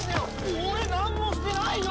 俺なんもしてないよ！